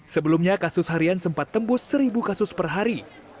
sebelumnya kasus harian sempat tembus seribu kasus per hari